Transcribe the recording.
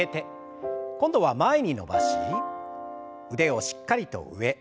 今度は前に伸ばし腕をしっかりと上。